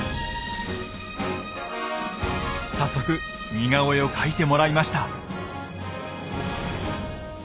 早速似顔絵を描いてもらいました。